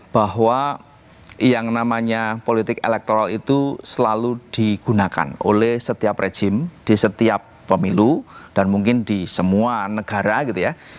bahwa yang namanya politik elektoral itu selalu digunakan oleh setiap rejim di setiap pemilu dan mungkin di semua negara gitu ya